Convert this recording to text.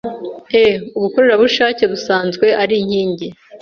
e/ubukorerabushake, busanzwe ari inkingi